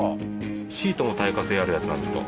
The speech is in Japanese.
シートも耐火性あるやつなんですか？